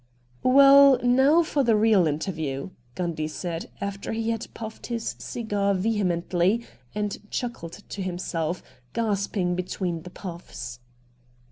' Well, now for the real interview,' Gundy said, after he had puffed his cigar vehemently and chuckled to himself, gasping between the puffs.